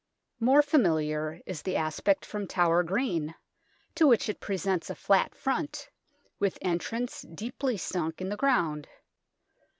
More familiar is the aspect from Tower Green, to which it presents a flat front, with entrance deeply sunk in the ground.